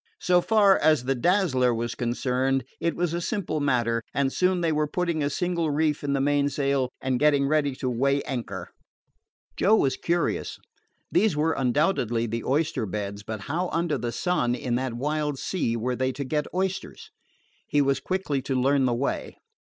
So far as the Dazzler was concerned, it was a simple matter, and soon they were putting a single reef in the mainsail and getting ready to weigh anchor. Joe was curious. These were undoubtedly the oyster beds; but how under the sun, in that wild sea, were they to get oysters? He was quickly to learn the way.